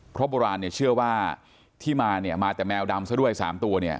เพราะโบราณเชื่อว่าที่มาจะแมวดำซะด้วย๓ตัว